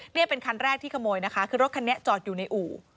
นี่เป็นคันแรกที่ขโมยนะคะคือรถคันนี้จอดอยู่ในอู่